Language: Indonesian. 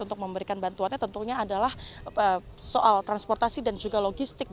untuk memberikan bantuannya tentunya adalah soal transportasi dan juga logistik